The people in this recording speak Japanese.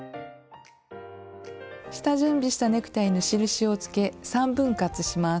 下準備したネクタイに印をつけ３分割します。